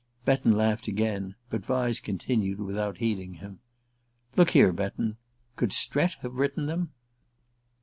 Betton laughed again, but Vyse continued without heeding him: "Look here, Betton could Strett have written them?"